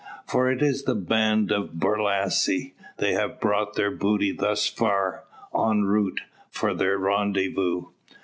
For it is the band of Borlasse. They have brought their booty thus far, en route for their rendezvous.